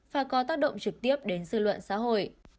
và có tác động trực tiếp đến dư luận xã hội